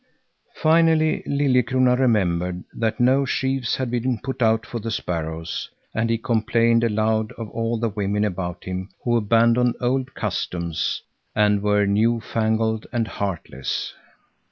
Finally Liljekrona remembered that no sheaves had been put out for the sparrows, and he complained aloud of all the women about him who abandoned old customs and were new fangled and heartless.